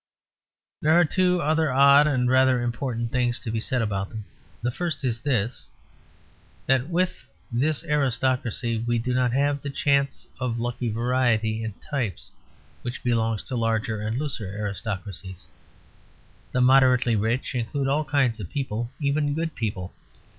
There are two other odd and rather important things to be said about them. The first is this: that with this aristocracy we do not have the chance of a lucky variety in types which belongs to larger and looser aristocracies. The moderately rich include all kinds of people even good people.